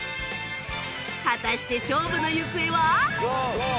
果たして勝負の行方は